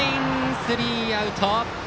スリーアウト。